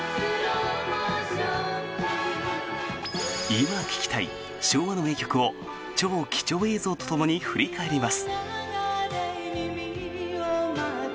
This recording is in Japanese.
今聴きたい、昭和の名曲を超貴重映像とともに振り返ります！